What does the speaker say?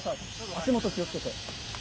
足元気を付けて。